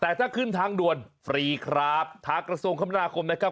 แต่ถ้าขึ้นทางด่วนฟรีครับทางกระทรวงคมนาคมนะครับ